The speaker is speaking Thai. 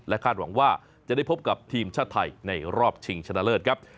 คาดหวังว่าจะได้พบกับทีมชาติไทยในรอบชิงชนะเลิศครับ